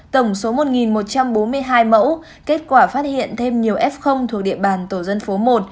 tổng số một một trăm bốn mươi hai mẫu kết quả phát hiện thêm nhiều f thuộc địa bàn tổ dân phố một